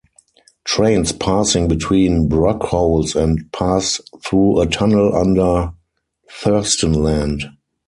Trains passing between Brockholes and pass through a tunnel under Thurstonland.